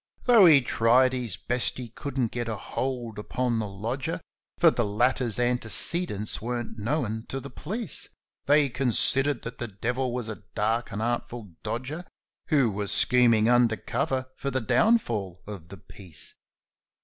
Tho' he tried his best, he couldn't get a hold upon the lodger, For the latter's antecedents weren't known to the police They considered that the ' devil ' was a dark and artful dodger Who was scheming under cover for the downfall of the peace.